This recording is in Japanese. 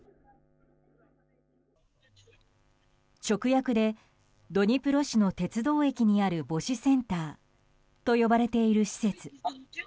直訳で、ドニプロ市の鉄道駅にある母子センターと呼ばれている施設。